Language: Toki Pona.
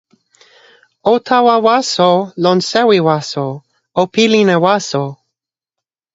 o tawa waso, lon sewi waso, o pilin e waso!